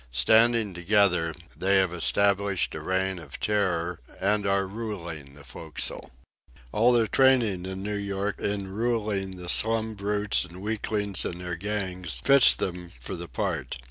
Standing together, they have established a reign of terror and are ruling the forecastle. All their training in New York in ruling the slum brutes and weaklings in their gangs fits them for the part.